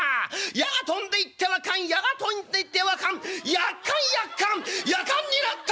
矢が飛んでいってはカン矢が飛んでいってはカンやっかんやっかんやかんになった！」。